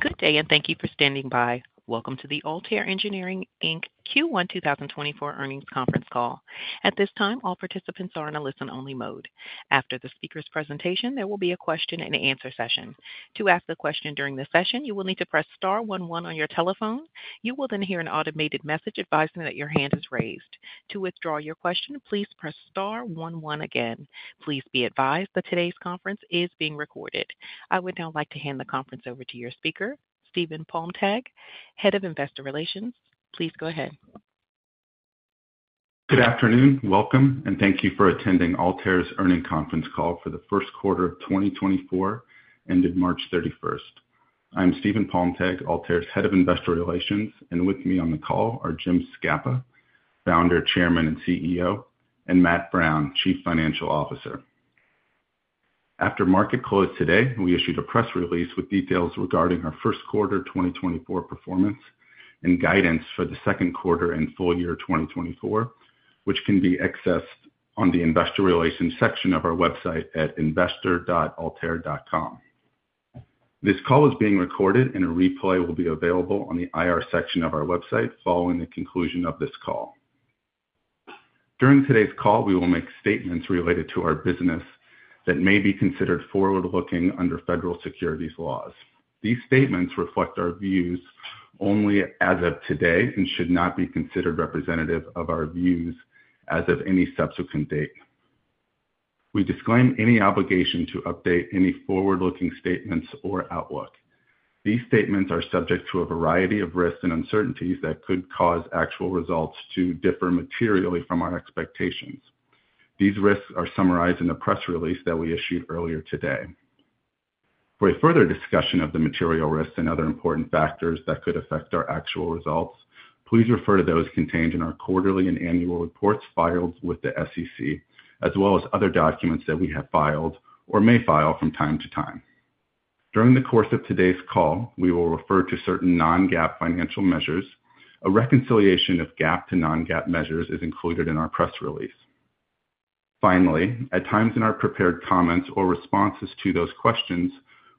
Good day, and thank you for standing by. Welcome to the Altair Engineering Inc. Q1 2024 earnings conference call. At this time, all participants are in a listen-only mode. After the speaker's presentation, there will be a question-and-answer session. To ask a question during the session, you will need to press star one one on your telephone. You will then hear an automated message advising that your hand is raised. To withdraw your question, please press star one one again. Please be advised that today's conference is being recorded. I would now like to hand the conference over to your speaker, Stephen Palmtag, Head of Investor Relations. Please go ahead. Good afternoon, welcome, and thank you for attending Altair's earnings conference call for the first quarter of 2024, ended March 31st. I'm Stephen Palmtag, Altair's Head of Investor Relations, and with me on the call are Jim Scapa, Founder, Chairman, and CEO, and Matt Brown, Chief Financial Officer. After market close today, we issued a press release with details regarding our first quarter 2024 performance and guidance for the second quarter and full year 2024, which can be accessed on the investor relations section of our website at investor.altair.com. This call is being recorded, and a replay will be available on the IR section of our website following the conclusion of this call. During today's call, we will make statements related to our business that may be considered forward-looking under federal securities laws. These statements reflect our views only as of today and should not be considered representative of our views as of any subsequent date. We disclaim any obligation to update any forward-looking statements or outlook. These statements are subject to a variety of risks and uncertainties that could cause actual results to differ materially from our expectations. These risks are summarized in the press release that we issued earlier today. For a further discussion of the material risks and other important factors that could affect our actual results, please refer to those contained in our quarterly and annual reports filed with the SEC, as well as other documents that we have filed or may file from time to time. During the course of today's call, we will refer to certain non-GAAP financial measures. A reconciliation of GAAP to non-GAAP measures is included in our press release. Finally, at times in our prepared comments or responses to those questions,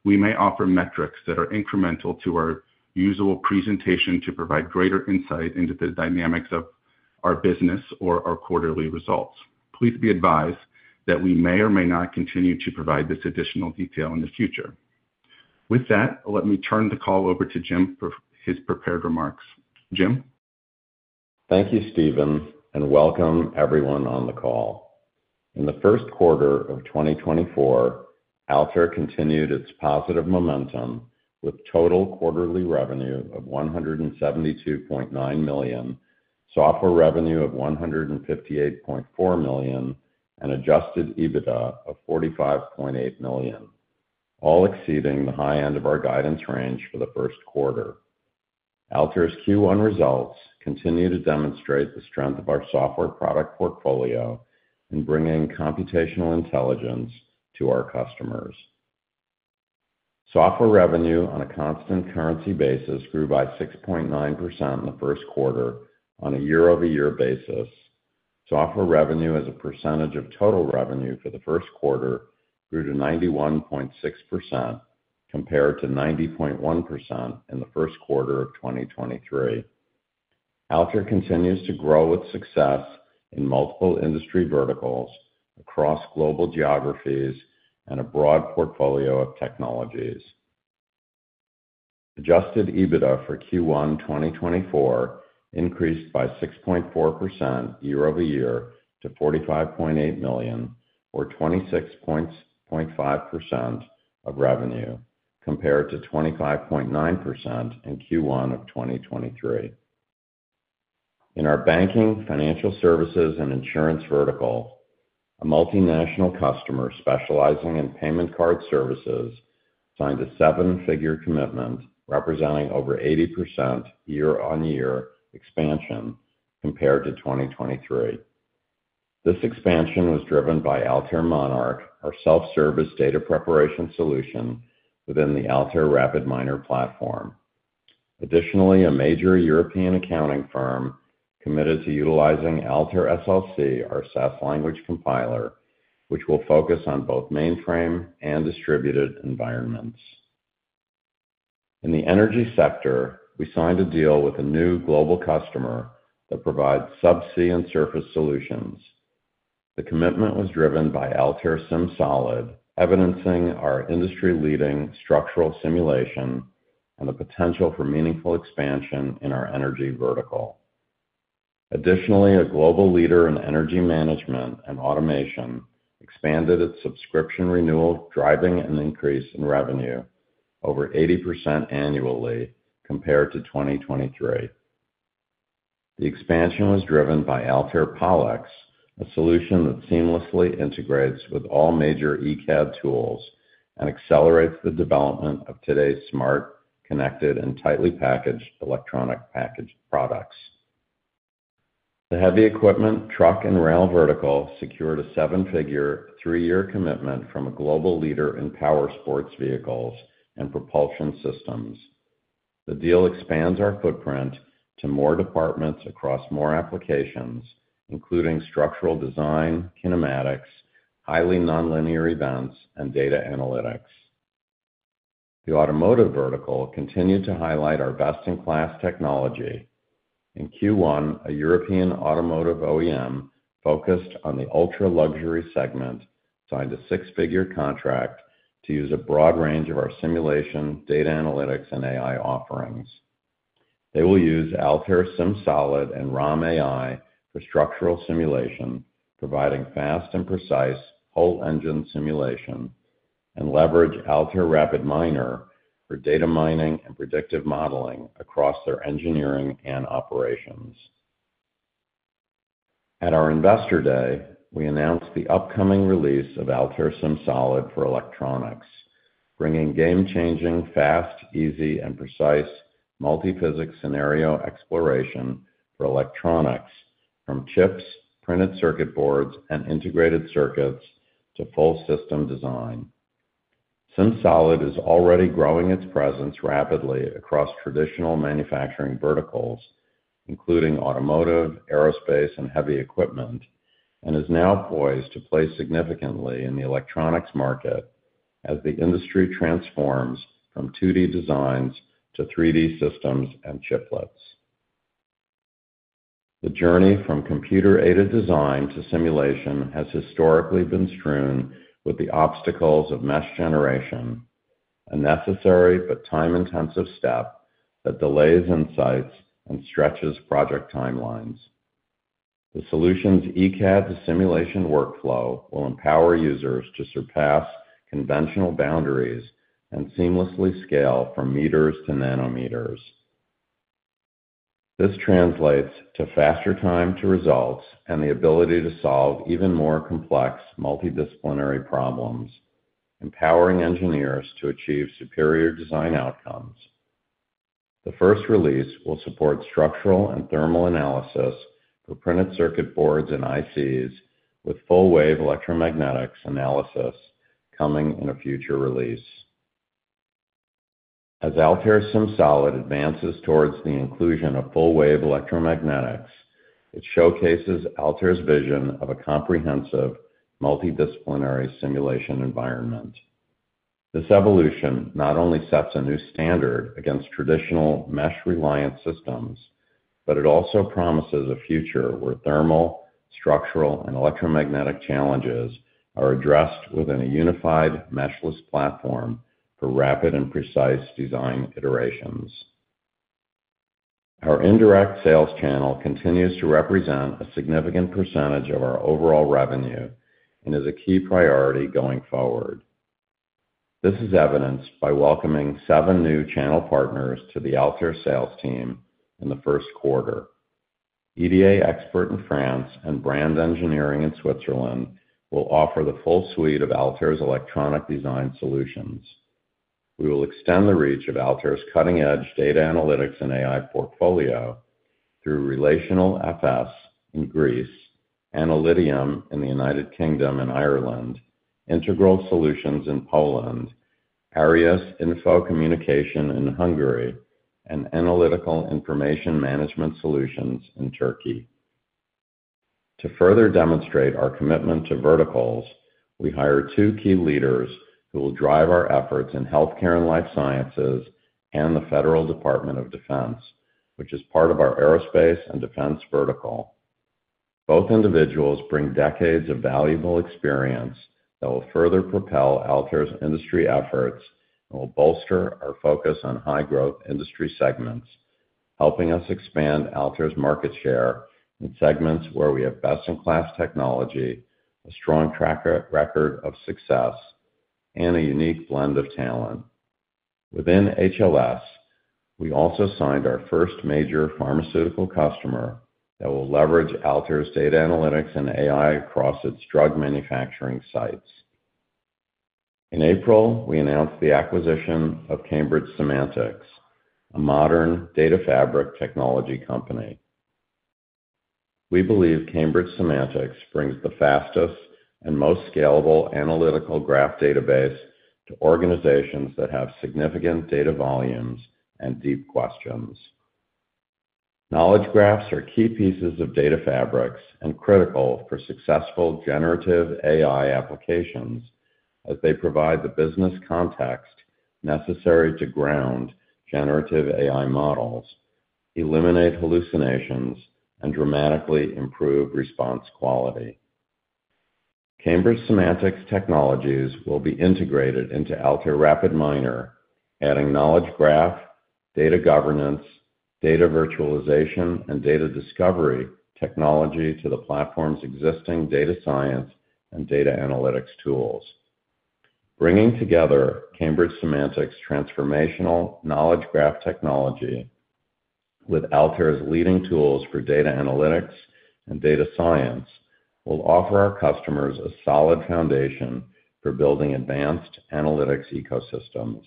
we may offer metrics that are incremental to our usual presentation to provide greater insight into the dynamics of our business or our quarterly results. Please be advised that we may or may not continue to provide this additional detail in the future. With that, let me turn the call over to Jim for his prepared remarks. Jim? Thank you, Stephen, and welcome everyone on the call. In the first quarter of 2024, Altair continued its positive momentum with total quarterly revenue of $172.9 million, software revenue of $158.4 million, and adjusted EBITDA of $45.8 million, all exceeding the high end of our guidance range for the first quarter. Altair's Q1 results continue to demonstrate the strength of our software product portfolio in bringing computational intelligence to our customers. Software revenue on a constant currency basis grew by 6.9% in the first quarter on a year-over-year basis. Software revenue as a percentage of total revenue for the first quarter grew to 91.6%, compared to 90.1% in the first quarter of 2023. Altair continues to grow with success in multiple industry verticals across global geographies and a broad portfolio of technologies. Adjusted EBITDA for Q1 2024 increased by 6.4% year-over-year to $45.8 million, or 26.5% of revenue, compared to 25.9% in Q1 of 2023. In our banking, financial services, and insurance vertical, a multinational customer specializing in payment card services signed a seven-figure commitment representing over 80% year-on-year expansion compared to 2023. This expansion was driven by Altair Monarch, our self-service data preparation solution within the Altair RapidMiner platform. Additionally, a major European accounting firm committed to utilizing Altair SLC, our SAS language compiler, which will focus on both mainframe and distributed environments. In the energy sector, we signed a deal with a new global customer that provides subsea and surface solutions. The commitment was driven by Altair SimSolid, evidencing our industry-leading structural simulation and the potential for meaningful expansion in our energy vertical. Additionally, a global leader in energy management and automation expanded its subscription renewal, driving an increase in revenue over 80% annually compared to 2023. The expansion was driven by Altair PollEx, a solution that seamlessly integrates with all major ECAD tools and accelerates the development of today's smart, connected, and tightly packaged electronic packaged products. The heavy equipment, truck, and rail vertical secured a seven-figure, three-year commitment from a global leader in power sports vehicles and propulsion systems. The deal expands our footprint to more departments across more applications, including structural design, kinematics, highly nonlinear events, and data analytics. The automotive vertical continued to highlight our best-in-class technology. In Q1, a European automotive OEM focused on the ultra-luxury segment, signed a six-figure contract to use a broad range of our simulation, data analytics, and AI offerings. They will use Altair SimSolid and romAI for structural simulation, providing fast and precise whole engine simulation, and leverage Altair RapidMiner for data mining and predictive modeling across their engineering and operations. At our Investor Day, we announced the upcoming release of Altair SimSolid for electronics, bringing game-changing, fast, easy, and precise multiphysics scenario exploration for electronics, from chips, printed circuit boards, and integrated circuits to full system design. SimSolid is already growing its presence rapidly across traditional manufacturing verticals, including automotive, aerospace, and heavy equipment, and is now poised to play significantly in the electronics market as the industry transforms from 2D designs to 3D systems and chiplets. The journey from computer-aided design to simulation has historically been strewn with the obstacles of mesh generation, a necessary but time-intensive step that delays insights and stretches project timelines. The solution's ECAD simulation workflow will empower users to surpass conventional boundaries and seamlessly scale from meters to nanometers. This translates to faster time to results and the ability to solve even more complex multidisciplinary problems, empowering engineers to achieve superior design outcomes. The first release will support structural and thermal analysis for printed circuit boards and ICs, with full-wave electromagnetics analysis coming in a future release. As Altair SimSolid advances towards the inclusion of full-wave electromagnetics, it showcases Altair's vision of a comprehensive multidisciplinary simulation environment. This evolution not only sets a new standard against traditional mesh-reliant systems, but it also promises a future where thermal, structural, and electromagnetic challenges are addressed within a unified meshless platform for rapid and precise design iterations. Our indirect sales channel continues to represent a significant percentage of our overall revenue and is a key priority going forward. This is evidenced by welcoming seven new channel partners to the Altair sales team in the first quarter. EDA Expert in France and Brand Engineering in Switzerland will offer the full suite of Altair's electronic design solutions. We will extend the reach of Altair's cutting-edge data analytics and AI portfolio through Relational FS in Greece, Analytium in the United Kingdom and Ireland, Integral Solutions in Poland, Areus Infocommunication in Hungary, and Analytical Information Management Solutions in Turkey. To further demonstrate our commitment to verticals, we hired two key leaders who will drive our efforts in healthcare and life sciences and the Federal Department of Defense, which is part of our aerospace and defense vertical. Both individuals bring decades of valuable experience that will further propel Altair's industry efforts and will bolster our focus on high-growth industry segments, helping us expand Altair's market share in segments where we have best-in-class technology, a strong track record of success, and a unique blend of talent. Within HLS, we also signed our first major pharmaceutical customer that will leverage Altair's data analytics and AI across its drug manufacturing sites. In April, we announced the acquisition of Cambridge Semantics, a modern data fabric technology company. We believe Cambridge Semantics brings the fastest and most scalable analytical graph database to organizations that have significant data volumes and deep questions. Knowledge graphs are key pieces of data fabrics and critical for successful generative AI applications as they provide the business context necessary to ground generative AI models, eliminate hallucinations, and dramatically improve response quality. Cambridge Semantics technologies will be integrated into Altair RapidMiner, adding knowledge graph, data governance, data virtualization, and data discovery technology to the platform's existing data science and data analytics tools. Bringing together Cambridge Semantics' transformational knowledge graph technology with Altair's leading tools for data analytics and data science will offer our customers a solid foundation for building advanced analytics ecosystems,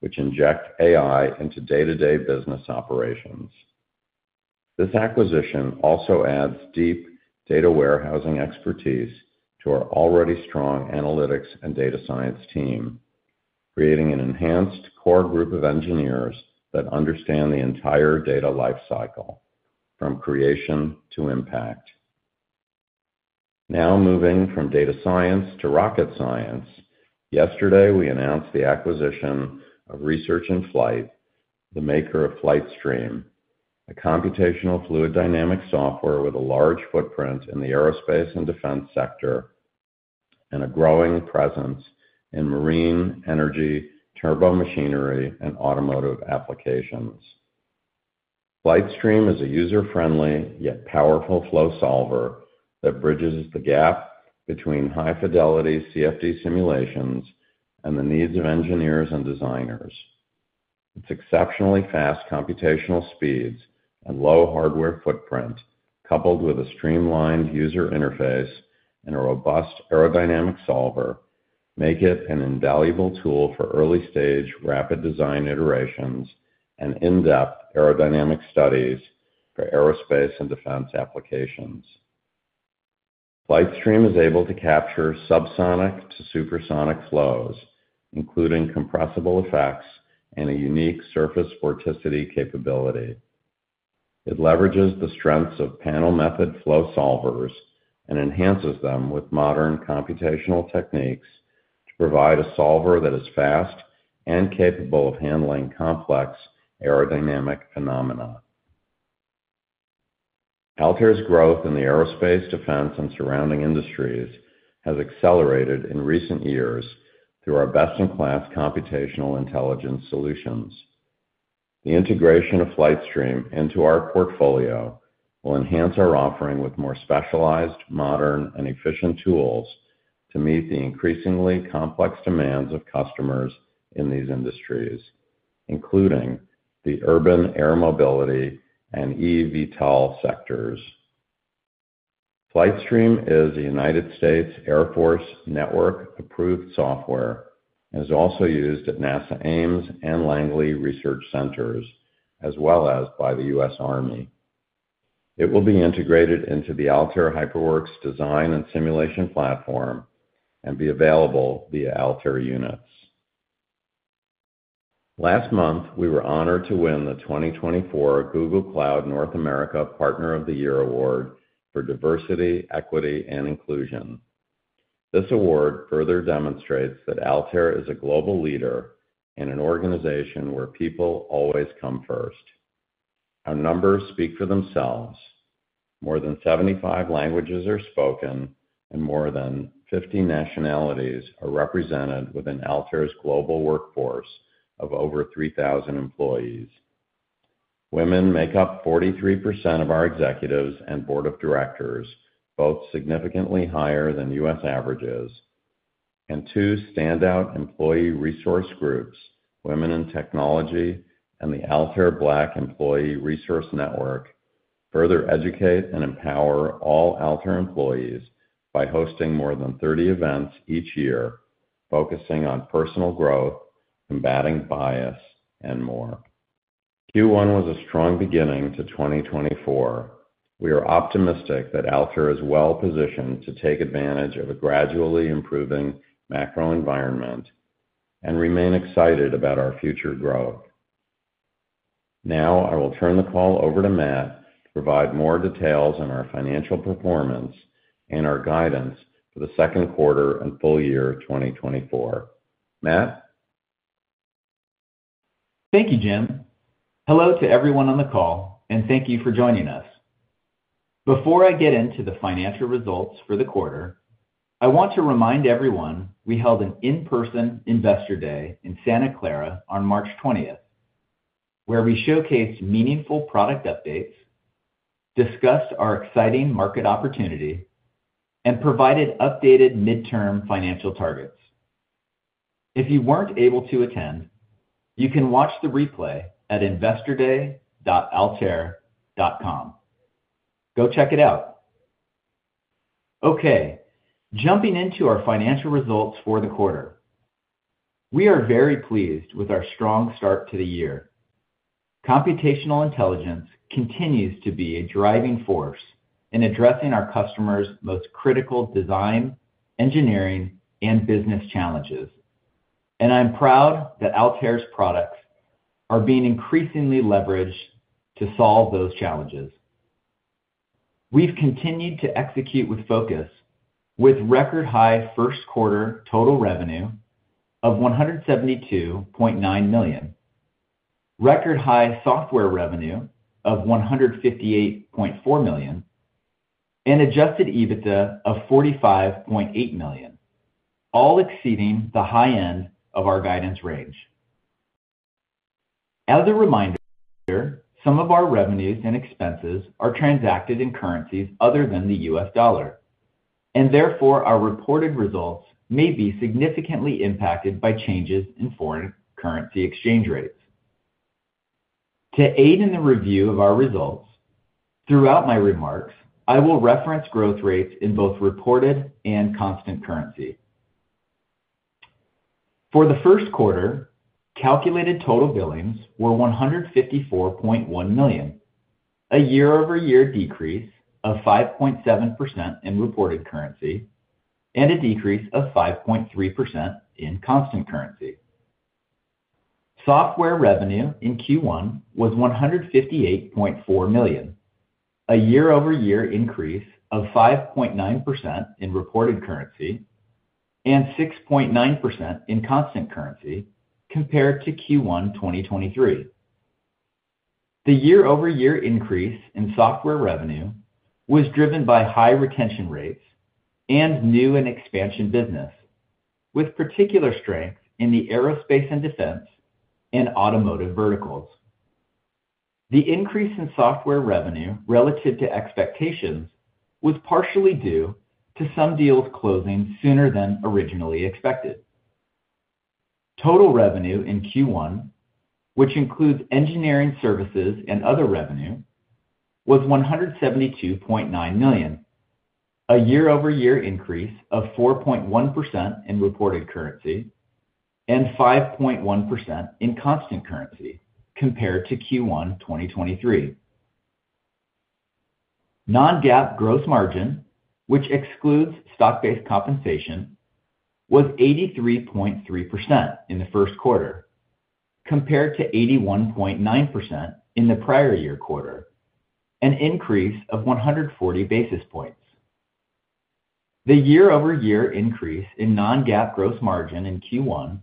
which inject AI into day-to-day business operations.... This acquisition also adds deep data warehousing expertise to our already strong analytics and data science team, creating an enhanced core group of engineers that understand the entire data lifecycle, from creation to impact. Now, moving from data science to rocket science, yesterday, we announced the acquisition of Research in Flight, the maker of FlightStream, a computational fluid dynamics software with a large footprint in the aerospace and defense sector, and a growing presence in marine, energy, turbomachinery, and automotive applications. FlightStream is a user-friendly, yet powerful flow solver that bridges the gap between high-fidelity CFD simulations and the needs of engineers and designers. Its exceptionally fast computational speeds and low hardware footprint, coupled with a streamlined user interface and a robust aerodynamic solver, make it an invaluable tool for early-stage rapid design iterations and in-depth aerodynamic studies for aerospace and defense applications. FlightStream is able to capture subsonic to supersonic flows, including compressible effects and a unique surface vorticity capability. It leverages the strengths of panel method flow solvers and enhances them with modern computational techniques to provide a solver that is fast and capable of handling complex aerodynamic phenomena. Altair's growth in the aerospace, defense, and surrounding industries has accelerated in recent years through our best-in-class computational intelligence solutions. The integration of FlightStream into our portfolio will enhance our offering with more specialized, modern, and efficient tools to meet the increasingly complex demands of customers in these industries, including the urban air mobility and eVTOL sectors. FlightStream is a United States Air Force Network-approved software and is also used at NASA Ames and Langley Research Centers, as well as by the U.S. Army. It will be integrated into the Altair HyperWorks design and simulation platform and be available via Altair Units. Last month, we were honored to win the 2024 Google Cloud North America Partner of the Year Award for Diversity, Equity, and Inclusion. This award further demonstrates that Altair is a global leader and an organization where people always come first. Our numbers speak for themselves. More than 75 languages are spoken, and more than 50 nationalities are represented within Altair's global workforce of over 3,000 employees. Women make up 43% of our executives and board of directors, both significantly higher than U.S. averages. Two standout employee resource groups, Women in Technology and the Altair Black Employee Resource Network, further educate and empower all Altair employees by hosting more than 30 events each year, focusing on personal growth, combating bias, and more. Q1 was a strong beginning to 2024. We are optimistic that Altair is well-positioned to take advantage of a gradually improving macro environment and remain excited about our future growth. Now, I will turn the call over to Matt to provide more details on our financial performance and our guidance for the second quarter and full year of 2024. Matt? Thank you, Jim. Hello to everyone on the call, and thank you for joining us. Before I get into the financial results for the quarter, I want to remind everyone we held an in-person Investor Day in Santa Clara on March 20th, where we showcased meaningful product updates, discussed our exciting market opportunity, and provided updated midterm financial targets. If you weren't able to attend, you can watch the replay at investorday.altair.com. Go check it out! Okay, jumping into our financial results for the quarter. We are very pleased with our strong start to the year. Computational intelligence continues to be a driving force in addressing our customers' most critical design, engineering, and business challenges, and I'm proud that Altair's products are being increasingly leveraged to solve those challenges. We've continued to execute with focus, with record-high first quarter total revenue of $172.9 million, record-high software revenue of $158.4 million, and adjusted EBITDA of $45.8 million, all exceeding the high end of our guidance range. As a reminder, some of our revenues and expenses are transacted in currencies other than the US dollar, and therefore, our reported results may be significantly impacted by changes in foreign currency exchange rates. To aid in the review of our results, throughout my remarks, I will reference growth rates in both reported and constant currency. For the first quarter, calculated total billings were $154.1 million, a year-over-year decrease of 5.7% in reported currency and a decrease of 5.3% in constant currency. Software revenue in Q1 was $158.4 million, a year-over-year increase of 5.9% in reported currency and 6.9% in constant currency compared to Q1 2023. The year-over-year increase in software revenue was driven by high retention rates and new and expansion business, with particular strength in the aerospace and defense and automotive verticals. The increase in software revenue relative to expectations was partially due to some deals closing sooner than originally expected. Total revenue in Q1, which includes engineering services and other revenue, was $172.9 million, a year-over-year increase of 4.1% in reported currency and 5.1% in constant currency compared to Q1 2023. Non-GAAP gross margin, which excludes stock-based compensation, was 83.3% in the first quarter, compared to 81.9% in the prior year quarter, an increase of 140 basis points. The year-over-year increase in non-GAAP gross margin in Q1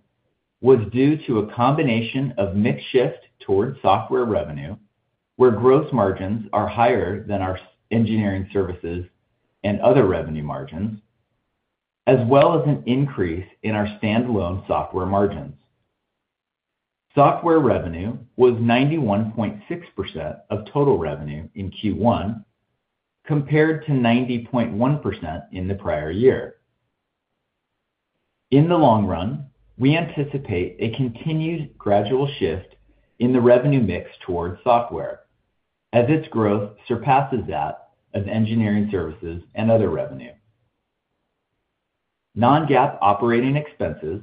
was due to a combination of mix shift towards software revenue, where gross margins are higher than our engineering services and other revenue margins, as well as an increase in our standalone software margins. Software revenue was 91.6% of total revenue in Q1, compared to 90.1% in the prior year. In the long run, we anticipate a continued gradual shift in the revenue mix towards software as its growth surpasses that of engineering services and other revenue. Non-GAAP operating expenses,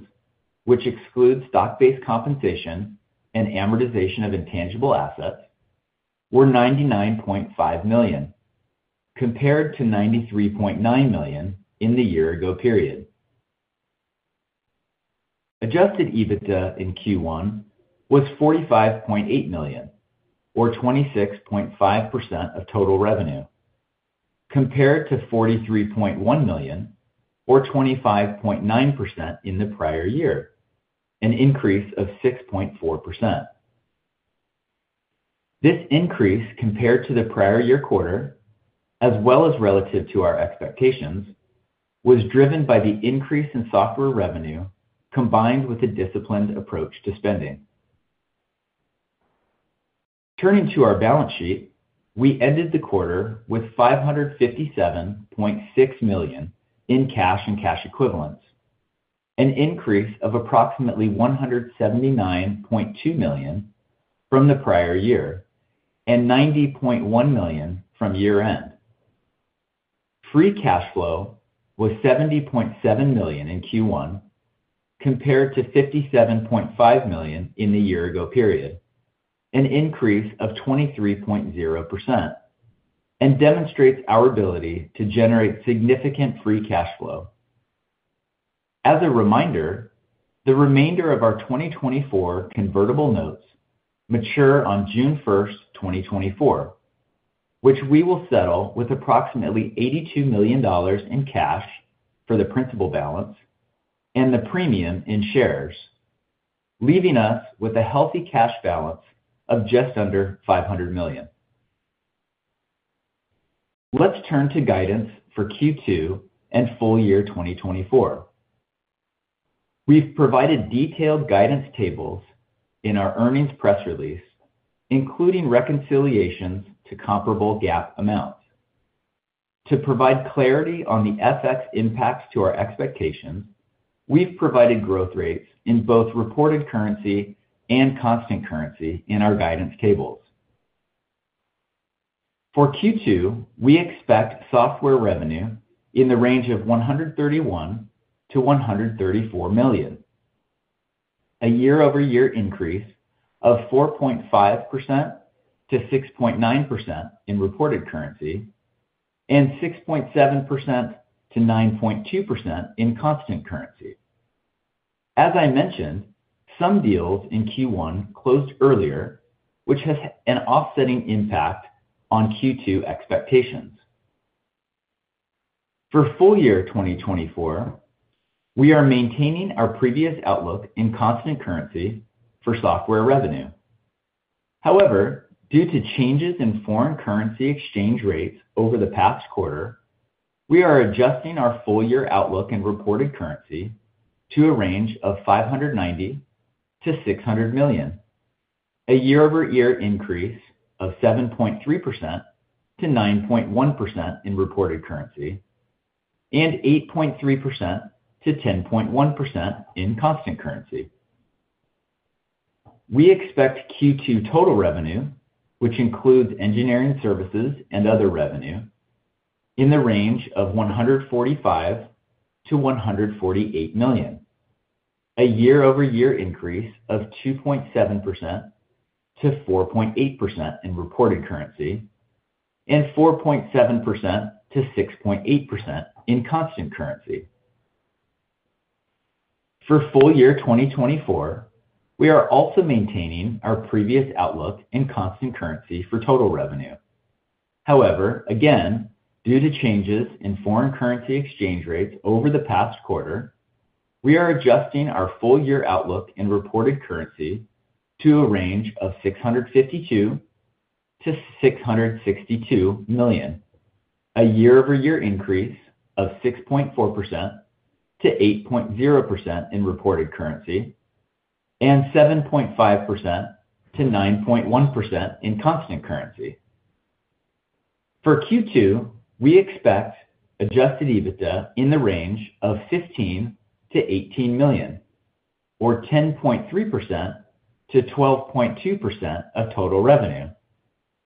which excludes stock-based compensation and amortization of intangible assets, were $99.5 million, compared to $93.9 million in the year ago period. Adjusted EBITDA in Q1 was $45.8 million, or 26.5% of total revenue, compared to $43.1 million, or 25.9% in the prior year, an increase of 6.4%. This increase compared to the prior year quarter, as well as relative to our expectations, was driven by the increase in software revenue, combined with a disciplined approach to spending. Turning to our balance sheet, we ended the quarter with $557.6 million in cash and cash equivalents, an increase of approximately $179.2 million from the prior year, and $90.1 million from year-end. Free cash flow was $70.7 million in Q1, compared to $57.5 million in the year ago period, an increase of 23.0%, and demonstrates our ability to generate significant free cash flow. As a reminder, the remainder of our 2024 convertible notes mature on June 1st, 2024, which we will settle with approximately $82 million in cash for the principal balance and the premium in shares, leaving us with a healthy cash balance of just under $500 million. Let's turn to guidance for Q2 and full year 2024. We've provided detailed guidance tables in our earnings press release, including reconciliations to comparable GAAP amounts. To provide clarity on the FX impacts to our expectations, we've provided growth rates in both reported currency and constant currency in our guidance tables. For Q2, we expect software revenue in the range of $131 million-$134 million, a year-over-year increase of 4.5%-6.9% in reported currency, and 6.7%-9.2% in constant currency. As I mentioned, some deals in Q1 closed earlier, which has an offsetting impact on Q2 expectations. For full year 2024, we are maintaining our previous outlook in constant currency for software revenue. However, due to changes in foreign currency exchange rates over the past quarter, we are adjusting our full year outlook in reported currency to a range of $590 million-$600 million, a year-over-year increase of 7.3%-9.1% in reported currency and 8.3%-10.1% in constant currency. We expect Q2 total revenue, which includes engineering services and other revenue, in the range of $145 million-$148 million, a year-over-year increase of 2.7%-4.8% in reported currency, and 4.7%-6.8% in constant currency. For full year 2024, we are also maintaining our previous outlook in constant currency for total revenue. However, again, due to changes in foreign currency exchange rates over the past quarter, we are adjusting our full year outlook in reported currency to a range of $652 million-$662 million, a year-over-year increase of 6.4%-8.0% in reported currency, and 7.5%-9.1% in constant currency. For Q2, we expect Adjusted EBITDA in the range of $15 million-$18 million, or 10.3%-12.2% of total revenue,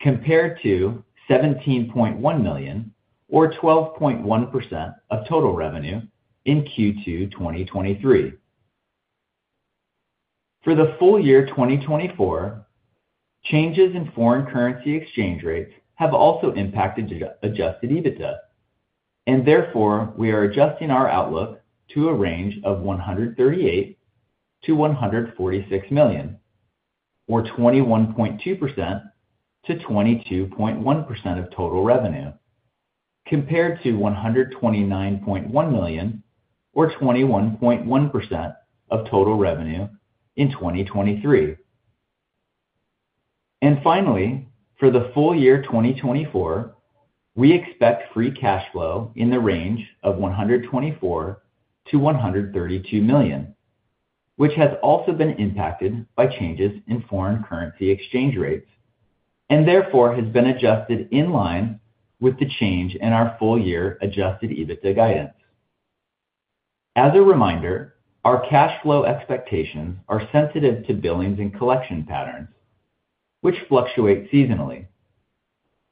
compared to $17.1 million or 12.1% of total revenue in Q2 2023. For the full year 2024, changes in foreign currency exchange rates have also impacted Adjusted EBITDA, and therefore, we are adjusting our outlook to a range of $138 million-$146 million, or 21.2%-22.1% of total revenue, compared to $129.1 million or 21.1% of total revenue in 2023. Finally, for the full year 2024, we expect free cash flow in the range of $124 million-$132 million, which has also been impacted by changes in foreign currency exchange rates, and therefore has been adjusted in line with the change in our full year adjusted EBITDA guidance. As a reminder, our cash flow expectations are sensitive to billings and collection patterns, which fluctuate seasonally.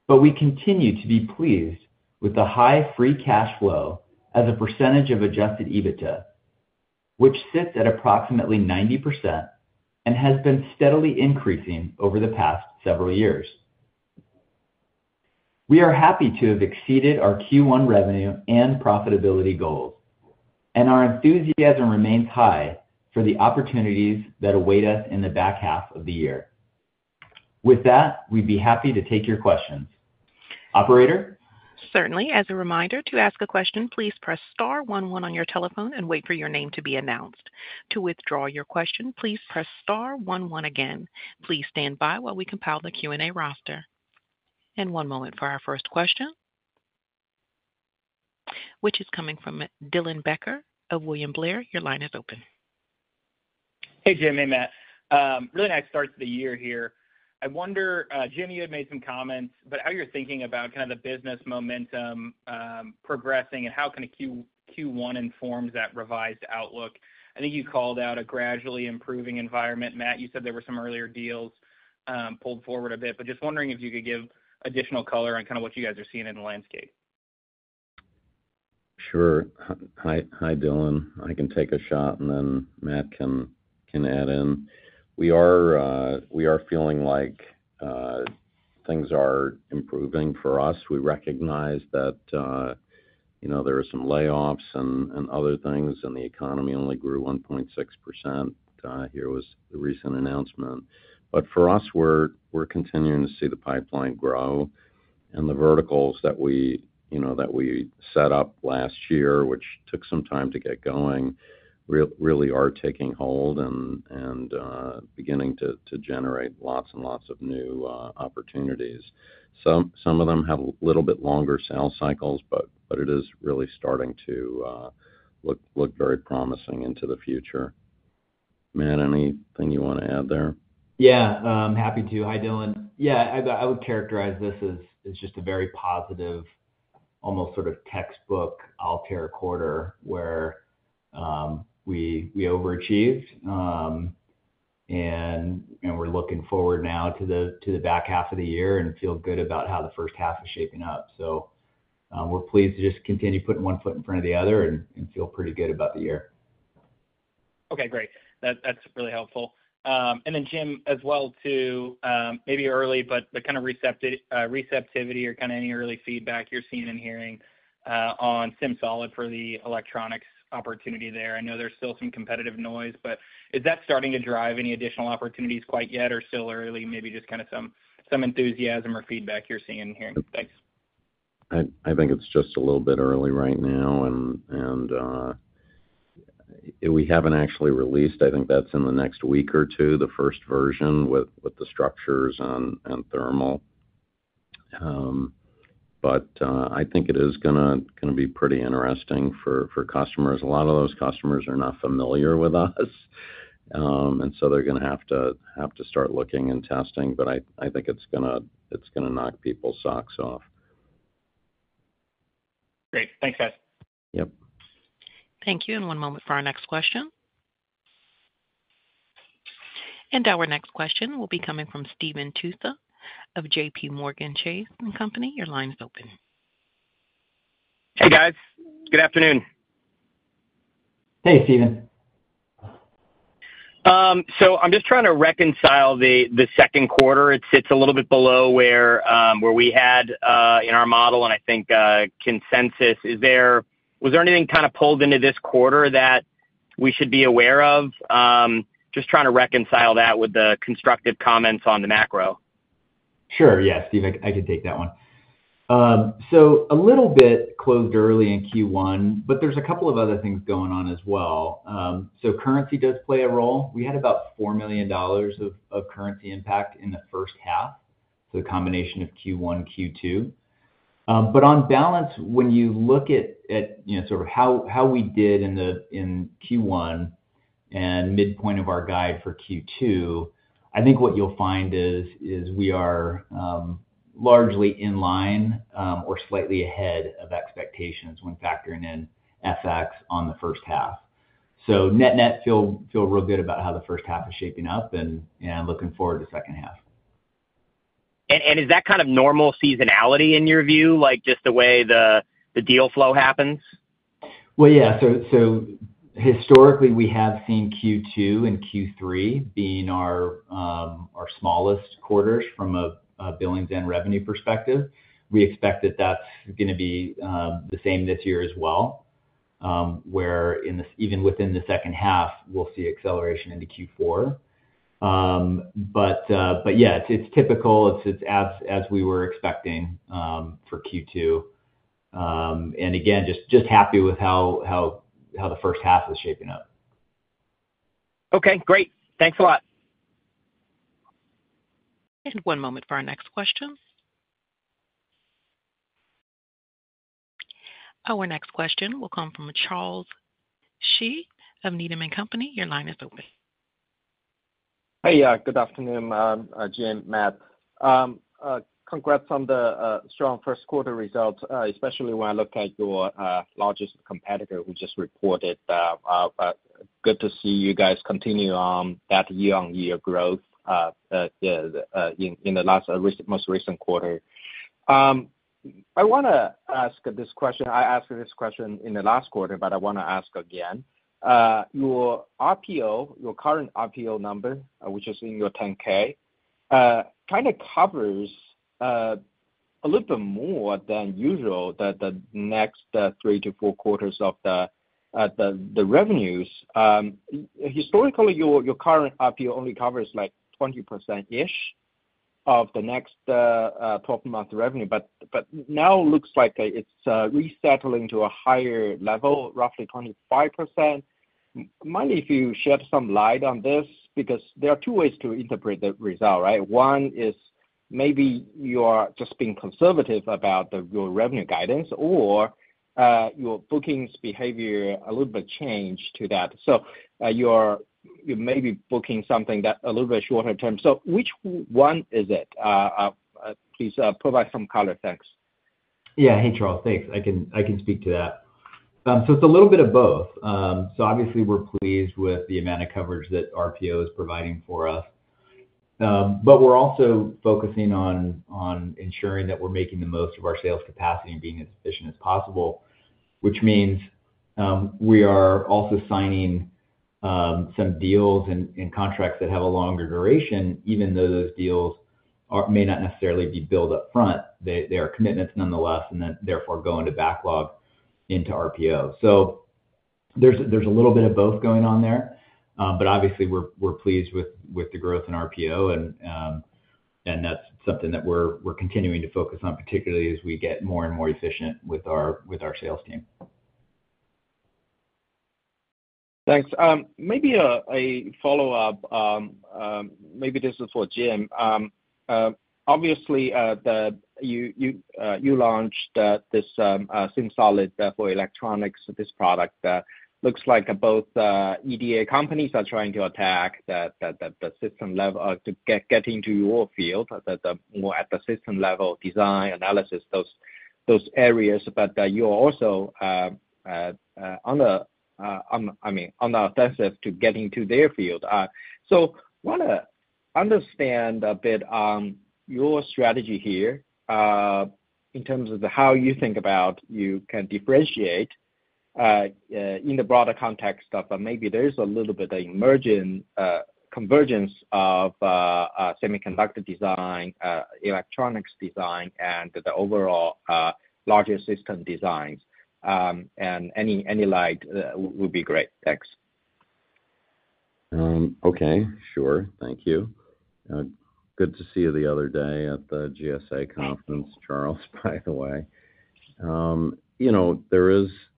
But we continue to be pleased with the high free cash flow as a percentage of adjusted EBITDA, which sits at approximately 90% and has been steadily increasing over the past several years. We are happy to have exceeded our Q1 revenue and profitability goals, and our enthusiasm remains high for the opportunities that await us in the back half of the year. With that, we'd be happy to take your questions. Operator? Certainly. As a reminder, to ask a question, please press star one one on your telephone and wait for your name to be announced. To withdraw your question, please press star one one again. Please stand by while we compile the Q&A roster. One moment for our first question, which is coming from Dylan Becker of William Blair. Your line is open. Hey, Jim. Hey, Matt. Really nice start to the year here. I wonder, Jim, you had made some comments about how you're thinking about kind of the business momentum, progressing and how kind of Q, Q1 informs that revised outlook. I think you called out a gradually improving environment. Matt, you said there were some earlier deals, pulled forward a bit, but just wondering if you could give additional color on kind of what you guys are seeing in the landscape? Sure. Hi, Dylan. I can take a shot and then Matt can add in. We are feeling like things are improving for us. We recognize that, you know, there are some layoffs and other things, and the economy only grew 1.6%, here was the recent announcement. But for us, we're continuing to see the pipeline grow and the verticals that we, you know, that we set up last year, which took some time to get going, really are taking hold and beginning to generate lots and lots of new opportunities. Some of them have a little bit longer sales cycles, but it is really starting to look very promising into the future. Matt, anything you wanna add there? Yeah, I'm happy to. Hi, Dylan. Yeah, I would characterize this as just a very positive, almost sort of textbook Altair quarter, where we overachieved. And we're looking forward now to the back half of the year and feel good about how the first half is shaping up. So, we're pleased to just continue putting one foot in front of the other and feel pretty good about the year. Okay, great. That, that's really helpful. And then Jim, as well, too, maybe early, but the kind of receptivity or kind of any early feedback you're seeing and hearing on SimSolid for the electronics opportunity there. I know there's still some competitive noise, but is that starting to drive any additional opportunities quite yet, or still early, maybe just kind of some enthusiasm or feedback you're seeing and hearing? Thanks. I think it's just a little bit early right now, and we haven't actually released. I think that's in the next week or two, the first version with the structures on thermal. But I think it is gonna be pretty interesting for customers. A lot of those customers are not familiar with us, and so they're gonna have to start looking and testing, but I think it's gonna knock people's socks off.... Great. Thanks, guys. Yep. Thank you, and one moment for our next question. Our next question will be coming from Steve Tusa of JPMorgan Chase & Company. Your line is open. Hey, guys. Good afternoon. Hey, Stephen. So I'm just trying to reconcile the second quarter. It sits a little bit below where we had in our model, and I think consensus. Was there anything kind of pulled into this quarter that we should be aware of? Just trying to reconcile that with the constructive comments on the macro. Sure. Yeah, Steve, I can take that one. So a little bit closed early in Q1, but there's a couple of other things going on as well. So currency does play a role. We had about $4 million of currency impact in the first half, so the combination of Q1, Q2. But on balance, when you look at, you know, sort of how we did in Q1 and midpoint of our guide for Q2, I think what you'll find is we are largely in line, or slightly ahead of expectations when factoring in FX on the first half. So net-net, feel real good about how the first half is shaping up and looking forward to second half. Is that kind of normal seasonality in your view, like just the way the deal flow happens? Well, yeah. So historically, we have seen Q2 and Q3 being our smallest quarters from a billings and revenue perspective. We expect that that's gonna be the same this year as well, where in the second half, even within the second half, we'll see acceleration into Q4. But yeah, it's typical. It's as we were expecting for Q2. And again, just happy with how the first half is shaping up. Okay, great. Thanks a lot. One moment for our next question. Our next question will come from Charles Shi of Needham and Company. Your line is open. Hey, yeah, good afternoon, Jim, Matt. Congrats on the strong first quarter results, especially when I look at your largest competitor who just reported, but good to see you guys continue on that year-on-year growth in the last most recent quarter. I wanna ask this question. I asked this question in the last quarter, but I wanna ask again. Your RPO, your current RPO number, which is in your 10-K, kind of covers a little bit more than usual, the next 3-4 quarters of the revenues. Historically, your current RPO only covers, like, 20%-ish of the next 12-month revenue, but now looks like it's resettling to a higher level, roughly 25%. Mind if you shed some light on this? Because there are two ways to interpret the result, right? One is maybe you are just being conservative about the, your revenue guidance, or, your bookings behavior a little bit changed to that. So, you're, you may be booking something that a little bit shorter term. So which one is it? Please, provide some color. Thanks. Yeah. Hey, Charles. Thanks. I can speak to that. So it's a little bit of both. So obviously, we're pleased with the amount of coverage that RPO is providing for us. But we're also focusing on ensuring that we're making the most of our sales capacity and being as efficient as possible, which means we are also signing some deals and contracts that have a longer duration, even though those deals may not necessarily be billed up front. They are commitments nonetheless, and then therefore go into backlog into RPO. So there's a little bit of both going on there. But obviously, we're pleased with the growth in RPO, and that's something that we're continuing to focus on, particularly as we get more and more efficient with our sales team. Thanks. Maybe a follow-up, maybe this is for Jim. Obviously, you launched this SimSolid for electronics. This product looks like both EDA companies are trying to attack the system level to get into your field, more at the system level, design, analysis, those areas. But, you're also, I mean, on the offensive to get into their field. So wanna understand a bit on your strategy here, in terms of how you think about you can differentiate in the broader context of maybe there is a little bit of emerging convergence of semiconductor design, electronics design, and the overall larger system designs. Any light will be great. Thanks. Okay. Sure. Thank you. Good to see you the other day at the GSA conference, Charles, by the way. You know, there is a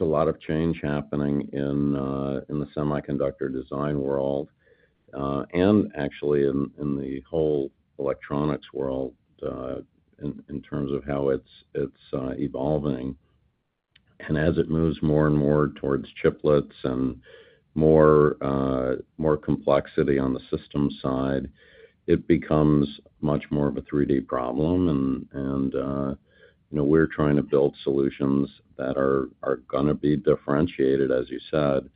lot of change happening in the semiconductor design world, and actually in the whole electronics world, in terms of how it's evolving. And as it moves more and more toward chiplets and more complexity on the system side, it becomes much more of a three-day problem. And you know, we're trying to build solutions that are gonna be differentiated, as you said.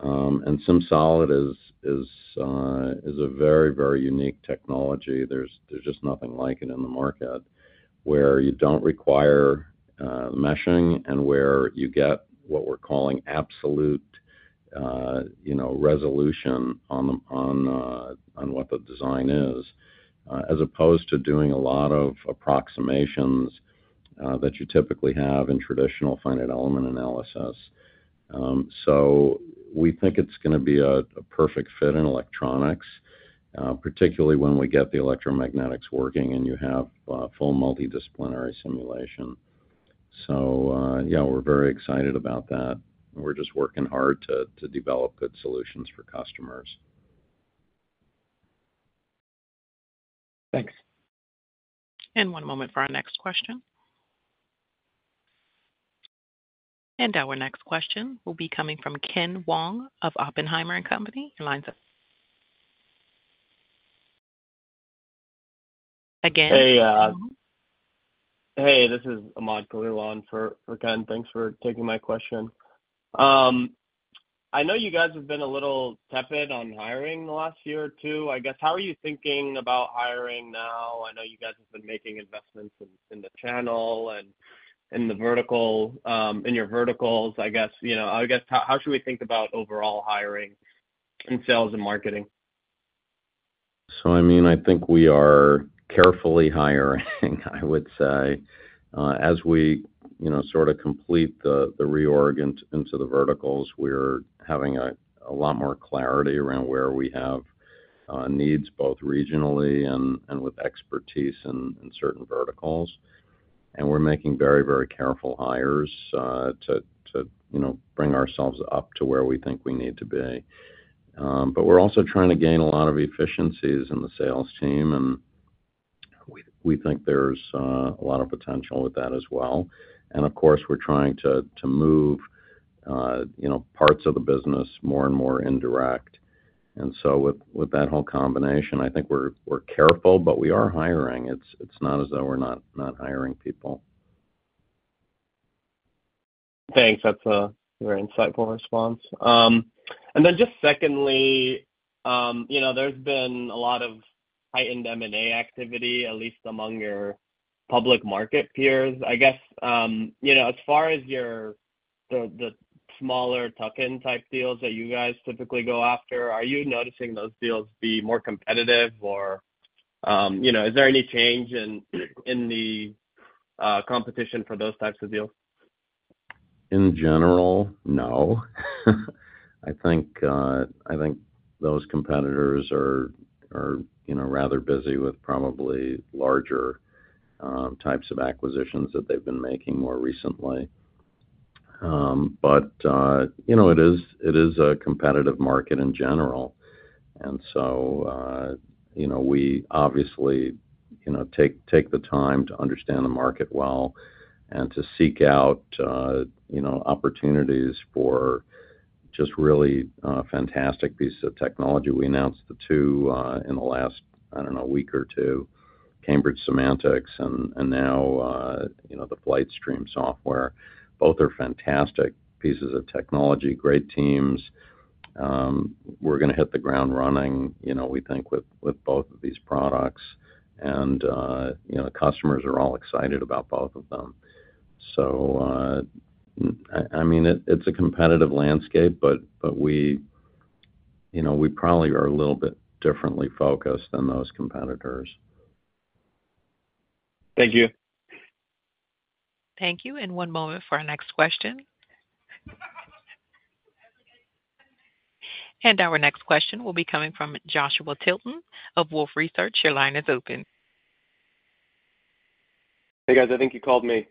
And SimSolid is a very, very unique technology. There's just nothing like it in the market, where you don't require meshing and where you get what we're calling absolute you know resolution on what the design is, as opposed to doing a lot of approximations that you typically have in traditional finite element analysis. So we think it's gonna be a perfect fit in electronics, particularly when we get the electromagnetics working, and you have full multidisciplinary simulation. So yeah, we're very excited about that. We're just working hard to develop good solutions for customers. Thanks. One moment for our next question. Our next question will be coming from Ken Wong of Oppenheimer and Company. Your line is up. Again- Hey, this is Aman Gulani for Ken. Thanks for taking my question. I know you guys have been a little tepid on hiring in the last year or two. I guess, how are you thinking about hiring now? I know you guys have been making investments in the channel and in the vertical, in your verticals, I guess, you know. I guess, how should we think about overall hiring in sales and marketing? So, I mean, I think we are carefully hiring, I would say. As we, you know, sort of complete the reorg into the verticals, we're having a lot more clarity around where we have needs, both regionally and with expertise in certain verticals. And we're making very, very careful hires to, you know, bring ourselves up to where we think we need to be. But we're also trying to gain a lot of efficiencies in the sales team, and we think there's a lot of potential with that as well. And of course, we're trying to move, you know, parts of the business more and more indirect. And so with that whole combination, I think we're careful, but we are hiring. It's not as though we're not hiring people. Thanks. That's a very insightful response. And then just secondly, you know, there's been a lot of heightened M&A activity, at least among your public market peers. I guess, you know, as far as the smaller tuck-in type deals that you guys typically go after, are you noticing those deals be more competitive? Or, you know, is there any change in the competition for those types of deals? In general, no. I think those competitors are, you know, rather busy with probably larger types of acquisitions that they've been making more recently. But, you know, it is a competitive market in general, and so, you know, we obviously, you know, take the time to understand the market well and to seek out, you know, opportunities for just really fantastic pieces of technology. We announced the two in the last, I don't know, week or two, Cambridge Semantics and now, you know, the FlightStream Software. Both are fantastic pieces of technology, great teams. We're gonna hit the ground running, you know, we think with both of these products. You know, customers are all excited about both of them. So, I mean, it's a competitive landscape, but we, you know, we probably are a little bit differently focused than those competitors. Thank you. Thank you, and one moment for our next question. Our next question will be coming from Joshua Tilton of Wolfe Research. Your line is open. Hey, guys, I think you called me.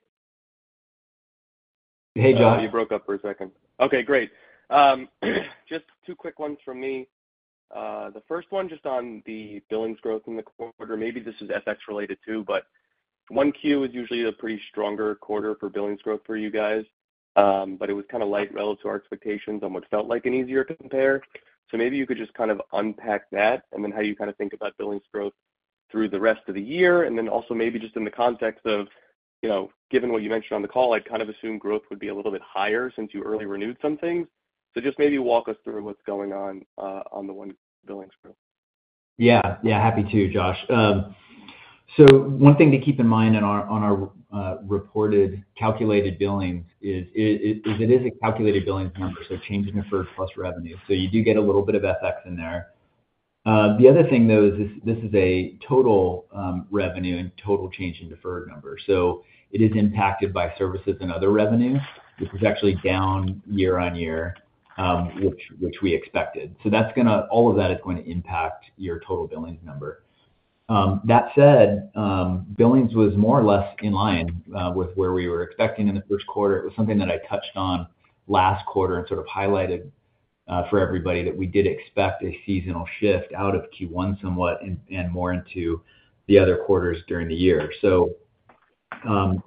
Hey, Josh. You broke up for a second. Okay, great. Just two quick ones from me. The first one, just on the billings growth in the quarter. Maybe this is FX related, too, but Q1 is usually a pretty stronger quarter for billings growth for you guys. But it was kind of light relative to our expectations on what felt like an easier compare. So maybe you could just kind of unpack that, and then how you kind of think about billings growth through the rest of the year. And then also, maybe just in the context of, you know, given what you mentioned on the call, I'd kind of assumed growth would be a little bit higher since you early renewed some things. So just maybe walk us through what's going on, on the Q1 billings growth. Yeah. Yeah, happy to, Josh. So one thing to keep in mind on our reported calculated billings is a calculated billings number, so change in deferred plus revenue. So you do get a little bit of FX in there. The other thing, though, is this is a total revenue and total change in deferred numbers. So it is impacted by services and other revenues. This is actually down year-over-year, which we expected. So that's gonna... All of that is going to impact your total billings number. That said, billings was more or less in line with where we were expecting in the first quarter. It was something that I touched on last quarter and sort of highlighted-... For everybody that we did expect a seasonal shift out of Q1 somewhat and more into the other quarters during the year. So,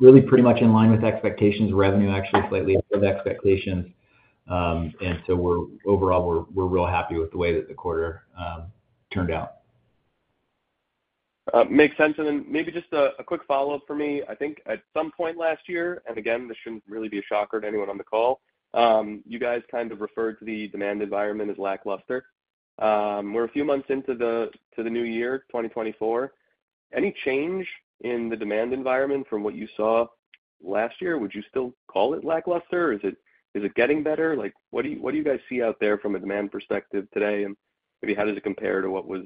really pretty much in line with expectations. Revenue actually slightly above expectations. And so overall, we're real happy with the way that the quarter turned out. Makes sense. And then maybe just a quick follow-up for me. I think at some point last year, and again, this shouldn't really be a shocker to anyone on the call, you guys kind of referred to the demand environment as lackluster. We're a few months into the new year, 2024. Any change in the demand environment from what you saw last year? Would you still call it lackluster, or is it getting better? Like, what do you guys see out there from a demand perspective today? And maybe how does it compare to what was,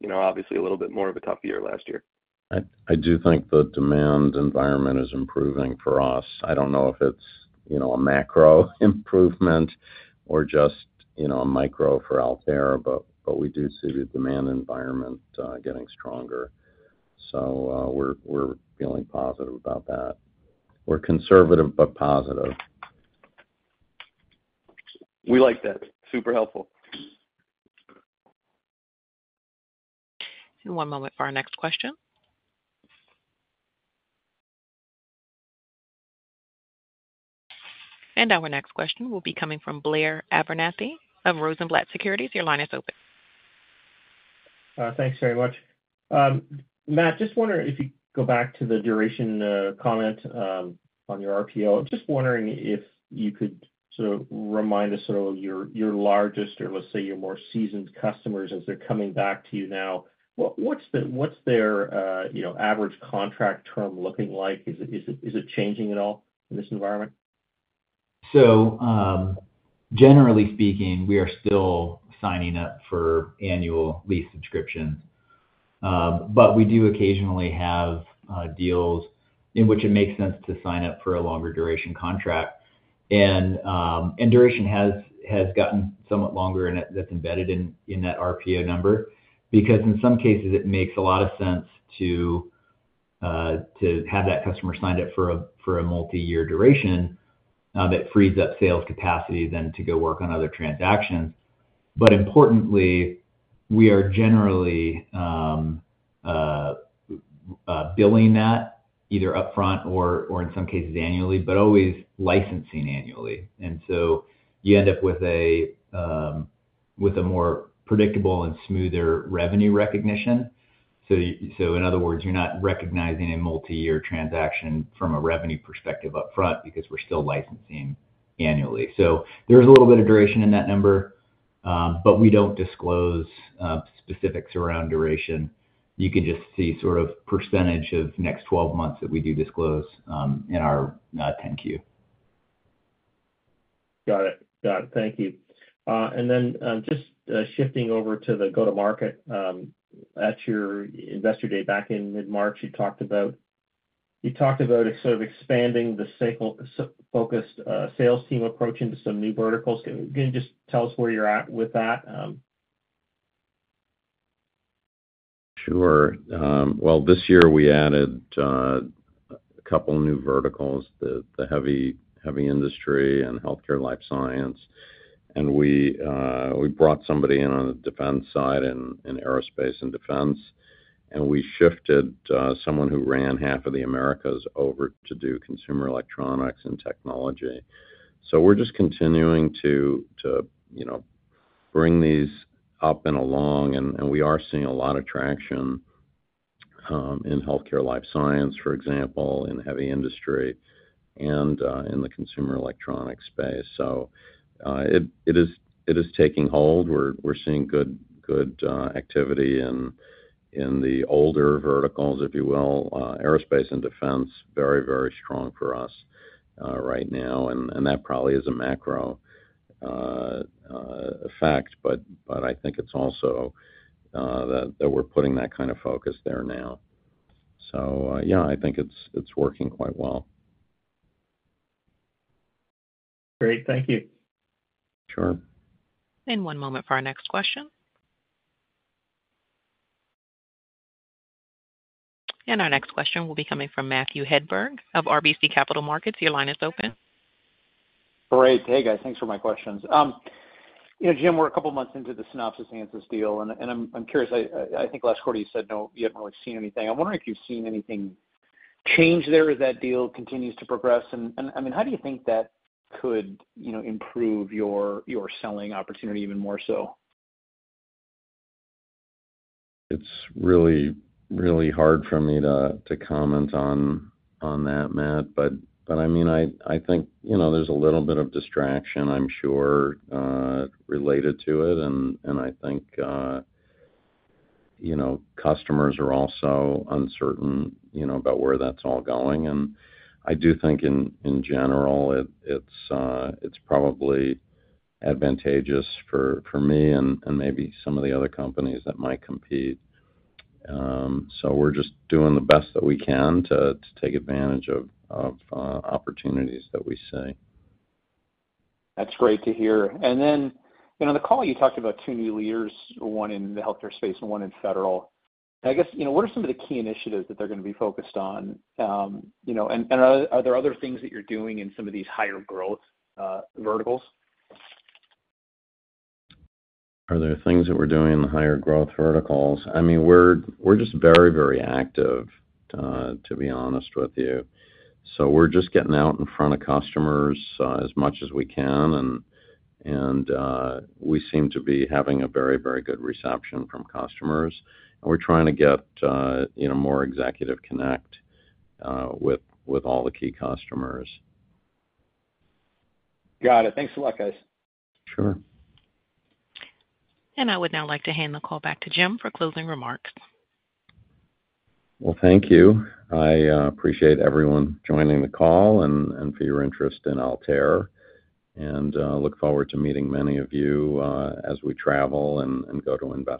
you know, obviously a little bit more of a tough year last year? I do think the demand environment is improving for us. I don't know if it's, you know, a macro improvement or just, you know, a micro for Altair, but we do see the demand environment getting stronger. So, we're feeling positive about that. We're conservative, but positive. We like that. Super helpful. One moment for our next question. Our next question will be coming from Blair Abernethy of Rosenblatt Securities. Your line is open. Thanks very much. Matt, just wondering if you could go back to the duration comment on your RPO. Just wondering if you could sort of remind us of your largest or let's say, your more seasoned customers, as they're coming back to you now. What's the, you know, average contract term looking like? Is it changing at all in this environment? So, generally speaking, we are still signing up for annual lease subscriptions. But we do occasionally have deals in which it makes sense to sign up for a longer duration contract. And duration has gotten somewhat longer, and that's embedded in that RPO number, because in some cases, it makes a lot of sense to have that customer signed up for a multi-year duration that frees up sales capacity then to go work on other transactions. But importantly, we are generally billing that either upfront or in some cases annually, but always licensing annually. And so you end up with a more predictable and smoother revenue recognition. So in other words, you're not recognizing a multi-year transaction from a revenue perspective upfront because we're still licensing annually. So there's a little bit of duration in that number, but we don't disclose specifics around duration. You can just see sort of percentage of next 12 months that we do disclose in our 10-Q. Got it. Got it. Thank you. And then, just, shifting over to the go-to-market, at your investor day back in mid-March, you talked about, you talked about sort of expanding the cycles-focused sales team approach into some new verticals. Can you just tell us where you're at with that? Sure. Well, this year we added a couple new verticals, the heavy industry and healthcare life science. And we brought somebody in on the defense side in aerospace and defense, and we shifted someone who ran half of the Americas over to do consumer electronics and technology. So we're just continuing to you know, bring these up and along, and we are seeing a lot of traction in healthcare, life science, for example, in heavy industry and in the consumer electronics space. So it is taking hold. We're seeing good activity in the older verticals, if you will. Aerospace and defense, very strong for us right now, and that probably is a macro effect. But I think it's also that we're putting that kind of focus there now. So, yeah, I think it's working quite well. Great. Thank you. Sure. One moment for our next question. Our next question will be coming from Matthew Hedberg of RBC Capital Markets. Your line is open. Great. Hey, guys. Thanks for my questions. You know, Jim, we're a couple of months into the Synopsys Ansys deal, and I'm curious. I think last quarter you said no, you haven't really seen anything. I'm wondering if you've seen anything change there as that deal continues to progress. And I mean, how do you think that could, you know, improve your selling opportunity even more so? It's really, really hard for me to comment on that, Matt. But I mean, I think, you know, there's a little bit of distraction, I'm sure, related to it. And I think, you know, customers are also uncertain, you know, about where that's all going. And I do think in general, it's probably advantageous for me and maybe some of the other companies that might compete. So we're just doing the best that we can to take advantage of opportunities that we see. That's great to hear. And then, you know, on the call, you talked about two new leaders, one in the healthcare space and one in federal. I guess, you know, what are some of the key initiatives that they're gonna be focused on? You know, and are there other things that you're doing in some of these higher growth verticals? Are there things that we're doing in the higher growth verticals? I mean, we're, we're just very, very active, to be honest with you. So we're just getting out in front of customers, as much as we can, and, and, we seem to be having a very, very good reception from customers. And we're trying to get, you know, more executive connect, with, with all the key customers. Got it. Thanks a lot, guys. Sure. I would now like to hand the call back to Jim for closing remarks. Well, thank you. I appreciate everyone joining the call and for your interest in Altair, and look forward to meeting many of you, as we travel and go to investor-